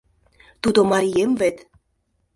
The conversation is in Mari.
— Тудо марием вет!